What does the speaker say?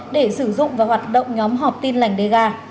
để sử dụng và hoạt động nhóm họp tin lệnh dega